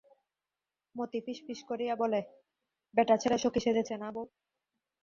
মতি ফিসফিস করিয়া বলে, ব্যাটাছেলে সখি সেজেছে, না বৌ?